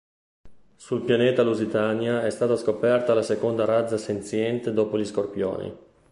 Sul pianeta Lusitania è stata scoperta la seconda razza senziente dopo gli scorpioni.